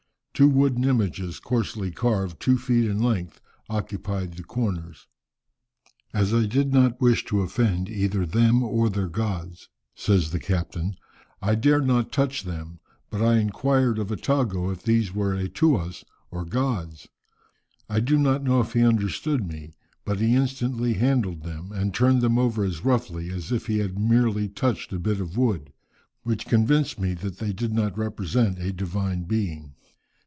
Two wooden images coarsely carved, two feet in length, occupied the corners. "As I did not wish to offend either them or their gods," says the captain, "I dared not touch them, but I inquired of Attago if these were 'Eatuas,' or gods. I do not know if he understood me, but he instantly handled them, and turned them over as roughly as if he had merely touched a bit of wood, which convinced me that they did not represent a divine being."